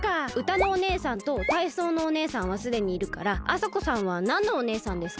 歌のお姉さんと体操のお姉さんはすでにいるからあさこさんはなんのお姉さんですか？